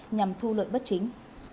nhằm thu lợi bất chính